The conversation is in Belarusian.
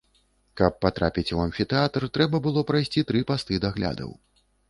Каб патрапіць у амфітэатр, трэба было прайсці тры пасты даглядаў.